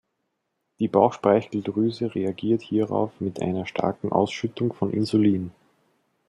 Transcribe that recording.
Die Bauchspeicheldrüse reagiert hierauf mit einer starken Ausschüttung von Insulin.